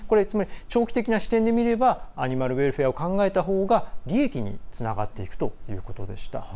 つまり長期的な視点で見ればアニマルウェルフェアを考えたほうが利益につながっていくということでした。